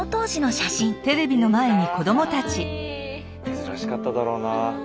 珍しかっただろうな。